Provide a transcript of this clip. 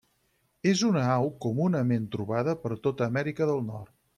És una au comunament trobada per tot Amèrica del Nord.